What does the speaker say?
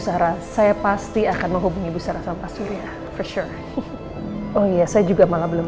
sarah saya pasti akan menghubungi bu sarah sama pasur ya for sure oh iya saya juga malah belum